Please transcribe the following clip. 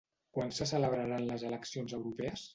Quan se celebraran les eleccions europees?